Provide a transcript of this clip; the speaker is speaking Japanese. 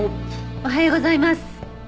おはようございます。